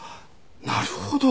なるほど！